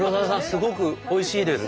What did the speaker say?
すごくおいしいです。